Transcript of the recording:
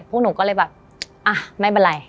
พวกหนูก็เลยแบบอ่ะไม่เป็นไร